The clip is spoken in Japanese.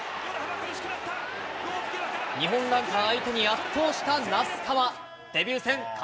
日本ランカー相手に圧倒した那須川。